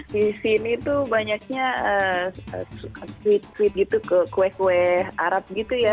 di sini tuh banyaknya tweet sweet gitu ke kue kue arab gitu ya